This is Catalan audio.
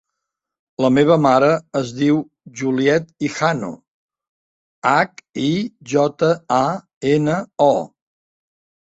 La meva mare es diu Juliet Hijano: hac, i, jota, a, ena, o.